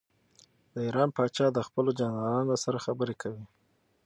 د ایران پاچا د خپلو جنرالانو سره خبرې کوي.